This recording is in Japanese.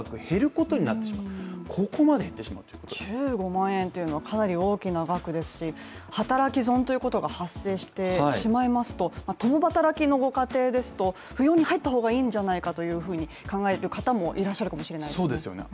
１５万円というのは、かなり大きな額ですし働き損ということが発生してしまいますと共働きのご家庭ですと、扶養に入った方がいいんじゃないかと考える方もいらっしゃるかもしれないですね。